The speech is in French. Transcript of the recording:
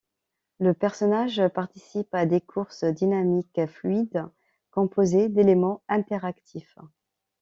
Le personnage participe à des courses dynamiques fluides, composées d'éléments interactifs.